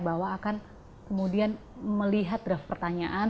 bahwa akan kemudian melihat draft pertanyaan